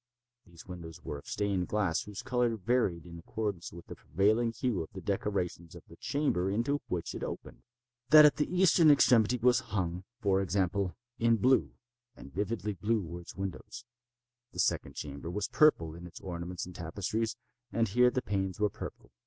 These windows were of stained glass whose color varied in accordance with the prevailing hue of the decorations of the chamber into which it opened. That at the eastern extremity was hung, for example, in blue—and vividly blue were its windows. The second chamber was purple in its ornaments and tapestries, and here the panes were purple.